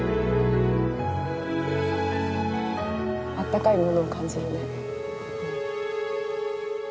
あったかいものを感じるね。